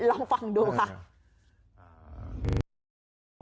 ลองฟังดูค่ะ